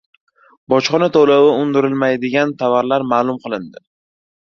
Bojxona to‘lovi undirilmaydigan tovarlar ma’lum qilindi